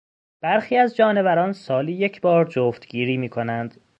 برخی از جانوران سالی یک بار جفتگیری میکنند.